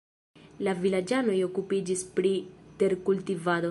La vilaĝanoj okupiĝis pri terkultivado.